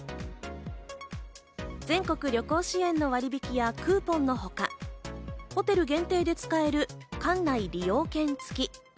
全国旅行支援の割引やクーポンのほか、ホテル限定で使える館内利用券付き。